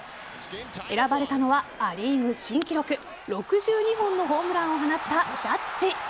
選ばれたのは、ア・リーグ新記録６２本のホームランを放ったジャッジ。